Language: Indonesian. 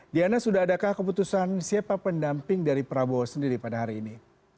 diana sudah adakah keputusan siapa pendamping dari prabowo sendiri pada hari ini